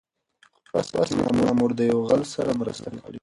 خو په اصل کې مامور د يو غل سره مرسته کړې وه.